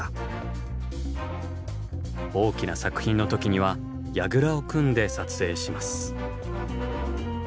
大きな作品の時にはやぐらを組んで撮影します。